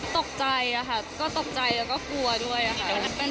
ตกใจค่ะก็ตกใจแล้วก็กลัวด้วยค่ะ